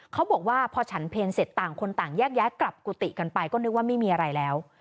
เขาบอกว่าพอฉันเพลเสร็จต่างคนต่างแยกย้ายกลับกุฏิกันไปก็นึกว่าไม่มีอะไรแล้ว